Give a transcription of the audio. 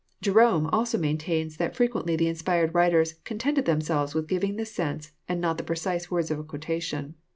Jerome also maintains that fre quently the inspired writers contented themselves with giving the sense and not the precise words of a quotation.